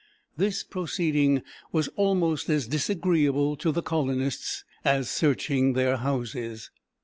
This proceeding was almost as disagreeable to the colonists as searching their houses.